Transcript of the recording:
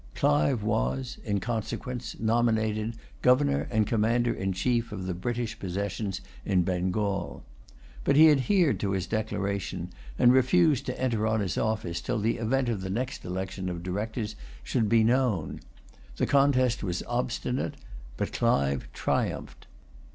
Clive was in consequence nominated Governor and Commander in chief of the British possessions in Bengal. But he adhered to his declaration, and refused to enter on his office till the event of the next election of Directors should be known. The contest was obstinate; but Clive triumphed.